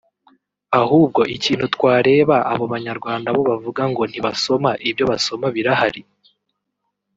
Ahubwo ikintu twareba abo banyarwanda bo bavuga ngo ntibasoma ibyo basoma birahari